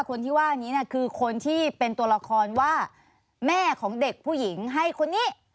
คนที่ว่านี้คือคนที่เป็นตัวละครว่าแม่ของเด็กผู้หญิงให้คนนี้